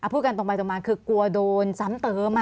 พูดกันตรงไปตรงมาคือกลัวโดนซ้ำเติม